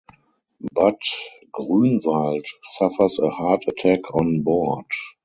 But Gruenwaldt suffers a heart attack on board.